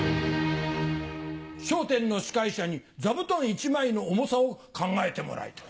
『笑点』の司会者に座布団１枚の重さを考えてもらいたい。